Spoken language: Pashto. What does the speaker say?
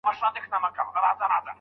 جهاني خپل جنون له ښاره بې نصیبه کړلم